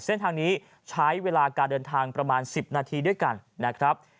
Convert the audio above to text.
เส้นทางนี้ใช้เวลาการเดินทางประมาณ๑๐นาทีด้วยกันนะครับ